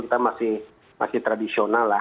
kita masih tradisional lah